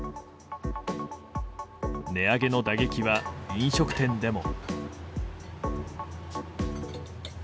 値上げの打撃は飲食店でも。